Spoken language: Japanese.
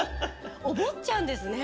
おぼっちゃんですね。